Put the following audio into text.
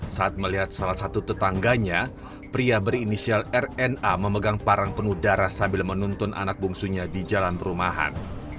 saat melihat salah satu tetangganya pria berinisial rna memegang parang penuh darah sambil menuntun anak bungsunya di jalan perumahan